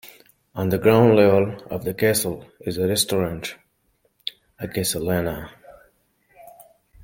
On the ground level of the castle is a restaurant "A Castellana".